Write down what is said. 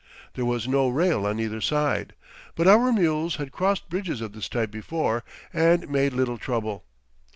There was no rail on either side, but our mules had crossed bridges of this type before and made little trouble.